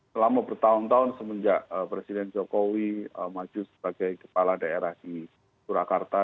selama bertahun tahun semenjak presiden jokowi maju sebagai kepala daerah di surakarta